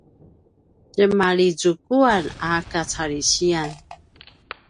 ljemalizukan a kacalisiyan